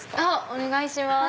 お願いします。